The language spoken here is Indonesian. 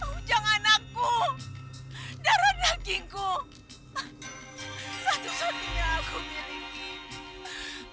ujang anakku darah dagingku satu satunya aku miliki